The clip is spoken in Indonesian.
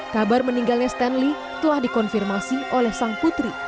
kabar meninggalnya stanley telah dikonfirmasi oleh sang putri